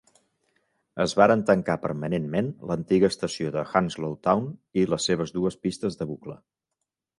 Es varen tancar permanentment l'antiga estació de Hounslow Town i les seues dues pistes de bucle.